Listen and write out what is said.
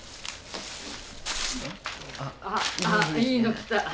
あっいいの来た。